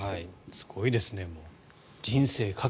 すごいですね。